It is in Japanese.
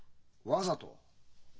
わざと？